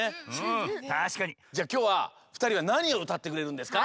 じゃあきょうはふたりはなにをうたってくれるんですか？